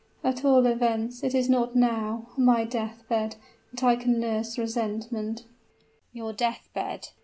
At all events, it is not now on my death bed that I can nurse resentment " "Your death bed!"